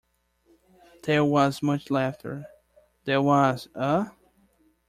'There was much laughter.' 'There was, eh?'